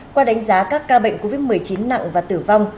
qua đánh giá các ca bệnh covid một mươi chín nặng và tử vong